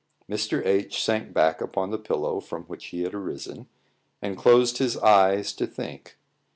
Mr. H sank back upon the pillow from which he had arisen, and closed his eyes to think.